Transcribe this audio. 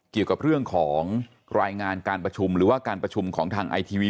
เกี่ยวกับเรื่องของรายงานการประชุมหรือว่าการประชุมของทางไอทีวี